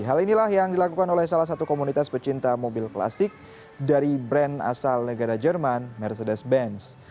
hal inilah yang dilakukan oleh salah satu komunitas pecinta mobil klasik dari brand asal negara jerman mercedes benz